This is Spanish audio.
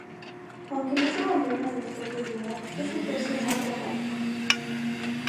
Aunque no se abandonan los toques de humor, es el tercio más dramático.